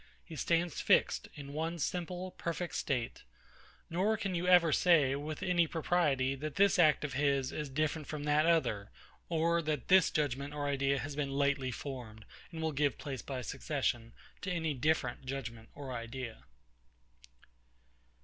He stands fixed in one simple, perfect state: nor can you ever say, with any propriety, that this act of his is different from that other; or that this judgement or idea has been lately formed, and will give place, by succession, to any different judgement or idea.